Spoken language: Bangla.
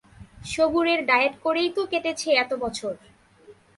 সবুরের ডায়েট করেই তো কেটেছে এত বছর।